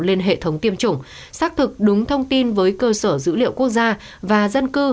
lên hệ thống tiêm chủng xác thực đúng thông tin với cơ sở dữ liệu quốc gia và dân cư